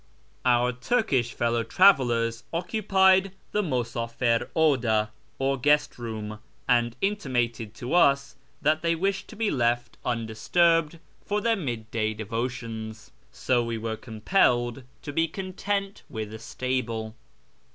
Our Turkish fellow travellers occupied the mvs((fir vdii, or guest room, ami intimated to us that they wished to be left undis turbed for their mid day devotions, so we were compelled to be content with a stable.